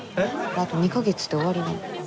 あと２か月で終わりなの。